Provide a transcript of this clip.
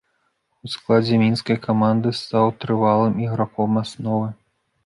У складзе мінскай каманды стаў трывалым іграком асновы.